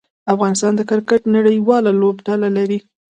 افغانستان د کرکټ نړۍواله لوبډله لري.